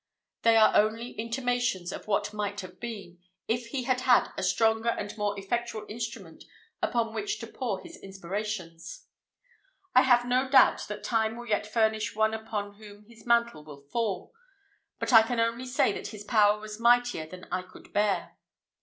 They are only intimations of what might have been, if he had had a stronger and more effectual instrument upon which to pour his inspirations. I have no doubt that time will yet furnish one upon whom his mantle will fall; but I can only say that his power was mightier than I could bear.